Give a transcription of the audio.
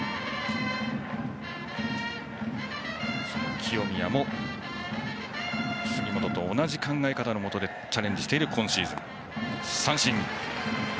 清宮も杉本と同じ考え方のもとでチャレンジしている今シーズン。